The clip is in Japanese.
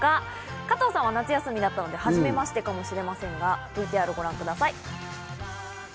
加藤さんは夏休みだったので、はじめましてかもしれませんが、ＶＴＲをご覧ください。